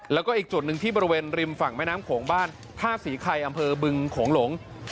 แล้วก็อีกจุดหนึ่งที่บริเวณริมฝั่งแม่น้ำโขงบ้านท่าศรีไข่อำเภอบึงโขงหลง